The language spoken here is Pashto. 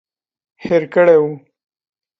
هېر کړي وو.